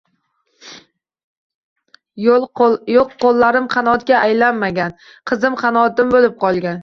Yo`q, qo`llarim qanotga aylanmagan, qizim qanotim bo`lib qolgan